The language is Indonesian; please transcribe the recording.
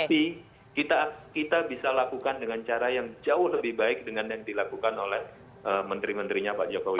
tapi kita bisa lakukan dengan cara yang jauh lebih baik dengan yang dilakukan oleh menteri menterinya pak jokowi